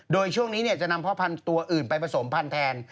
โดยช่วงนี้จะนำพ่อพันธุ์ตัวอื่นไปผสมพันธุ์แทน